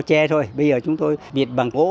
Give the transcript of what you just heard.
tre thôi bây giờ chúng tôi biệt bằng gỗ